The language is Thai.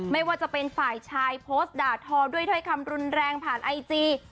ไม่ว่าจะเป็นฝ่ายชายโพสต์ด่าทอด้วยถ้อยคำรุนแรงผ่านไอจี